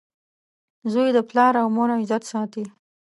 • زوی د پلار او مور عزت ساتي.